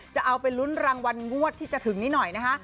จะเอาไปลุ้นรางวัลงวดที่จะถึงนี้หน่อยนะคะ